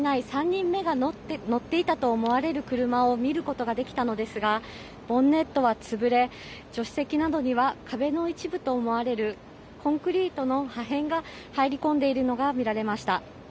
３人目が乗っていたと思われる車を見ることができたのですがボンネットは潰れ助手席などには壁の一部と思われるコンクリートの破片が入り込んでいるのが見られました。